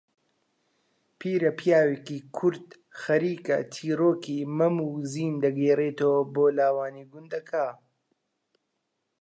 پیرەپیاوێکی کورد خەریکە چیرۆکی مەم و زین دەگێڕەتەوە بۆ لاوانی گوندەکە